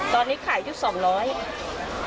ตอนนี้ขายอยู่๒๐๐บาท